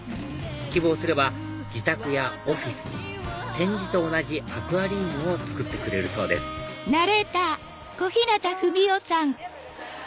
希望すれば自宅やオフィスに展示と同じアクアリウムを造ってくれるそうですうわ！